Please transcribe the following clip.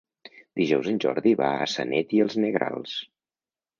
Dijous en Jordi va a Sanet i els Negrals.